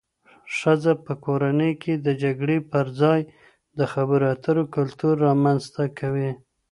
ښځه په کورنۍ کي د جګړې پر ځای د خبرو اترو کلتور رامنځته کوي